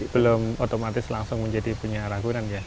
belum otomatis langsung menjadi punya ragunan ya